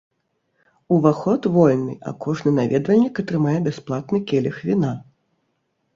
Уваход вольны, а кожны наведвальнік атрымае бясплатны келіх віна.